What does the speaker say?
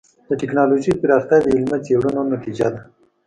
د ټکنالوجۍ پراختیا د علمي څېړنو نتیجه ده.